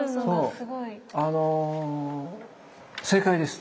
あの正解です！